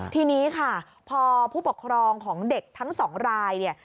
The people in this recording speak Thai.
ทีนี้ค่ะพอผู้ปกครองของเด็กทั้งสองรายเนี่ย